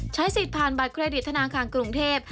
ใช้สิทธิ์ผ่านบัตรเครดิตธนาคารกรุงเทพ